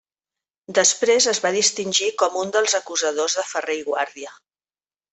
Després es va distingir com a un dels acusadors de Ferrer i Guàrdia.